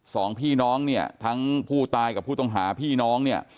สองพี่น้องเนี่ยทั้งผู้ตายกับผู้ต้องหาพี่น้องเนี่ย